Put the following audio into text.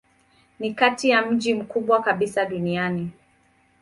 Ni kati ya miji mikubwa kabisa duniani.